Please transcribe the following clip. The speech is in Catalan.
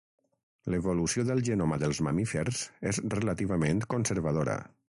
L'evolució del genoma dels mamífers és relativament conservadora.